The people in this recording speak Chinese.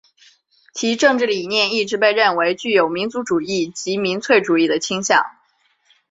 其政治理念一直被认为具有民族主义及民粹主义的倾向。